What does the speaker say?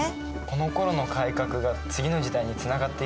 このころの改革が次の時代につながっていくんだね。